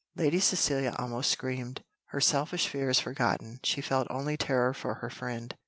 Lady Cecilia almost screamed: her selfish fears forgotten, she felt only terror for her friend.